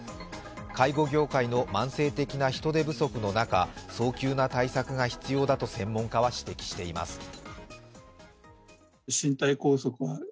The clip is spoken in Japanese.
介護業界の慢性的な人手不足の中早急な対策が必要だと専門家は指摘しています。